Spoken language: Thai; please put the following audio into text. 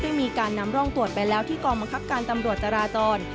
มีการนำร่องตรวจไปแล้วที่กองบังคับการตำรวจจราจร